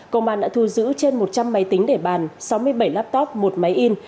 công an đã thu giữ trên một trăm linh máy tính để bàn sáu mươi bảy laptop một máy in